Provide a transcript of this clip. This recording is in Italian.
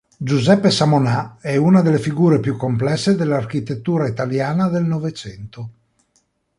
Giuseppe Samonà è una delle figure più complesse dell'architettura italiana del Novecento.